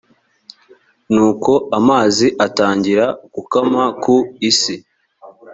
nuko amazi atangira gukama ku isi